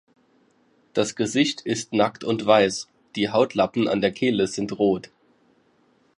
Das Gesicht ist nackt und weiß, die Hautlappen an der Kehle sind rot.